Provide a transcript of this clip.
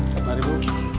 selamat hari ibu